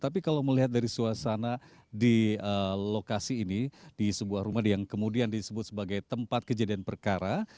tapi kalau melihat dari suasana di lokasi ini di sebuah rumah yang kemudian disebut sebagai tempat kejadian perkara